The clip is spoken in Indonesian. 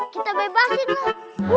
kita bebasin lu